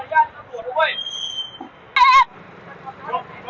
เจ้าตายแล้ว